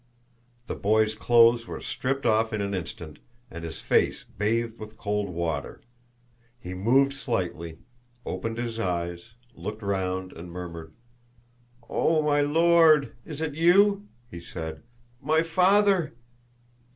The boy's clothes were stripped off in an instant, and his face bathed with cold water. He moved slightly, opened his eyes, looked round and murmured, "Oh, my Lord! Is it you!" he said; "my father!"